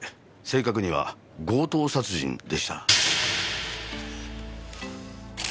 正確には強盗殺人でした。